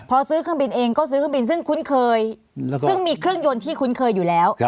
พอซื้อเครื่องบินเองก็ซื้อเครื่องบินซึ่งคุ้นเคยซึ่งมีเครื่องยนต์ที่คุ้นเคยอยู่แล้ว